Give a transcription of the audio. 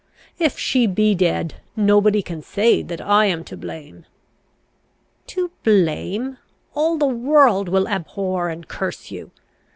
If she be dead, nobody can say that I am to blame!" "To blame? All the world will abhor and curse you.